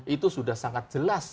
itu sudah sangat jelas